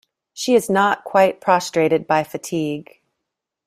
She is not quite prostrated by fatigue?